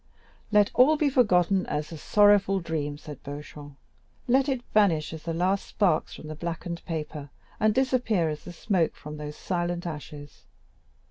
"Let all be forgotten as a sorrowful dream," said Beauchamp; "let it vanish as the last sparks from the blackened paper, and disappear as the smoke from those silent ashes."